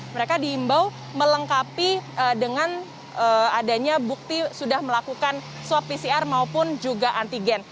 mereka diimbau melengkapi dengan adanya bukti sudah melakukan swab pcr maupun juga antigen